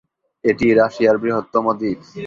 এটি রাশিয়ার বৃহত্তম দ্বীপ।